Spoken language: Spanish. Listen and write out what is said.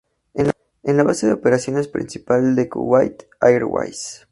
Es la base de operaciones principal de Kuwait Airways.